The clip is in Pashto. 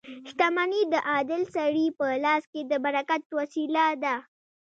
• شتمني د عادل سړي په لاس کې د برکت وسیله ده.